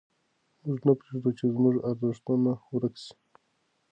موږ نه پرېږدو چې زموږ ارزښتونه ورک سي.